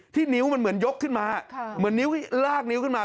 นิ้วมันเหมือนยกขึ้นมาเหมือนนิ้วลากนิ้วขึ้นมา